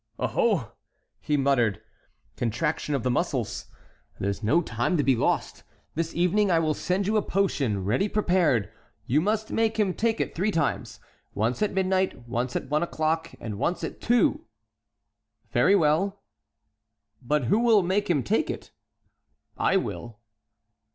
"Oho!" he muttered, "contraction of the muscles. There's no time to be lost. This evening I will send you a potion ready prepared; you must make him take it three times: once at midnight, once at one o'clock, and once at two." "Very well." "But who will make him take it?" "I will."